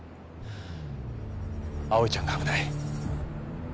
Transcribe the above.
葵ちゃんが危ない。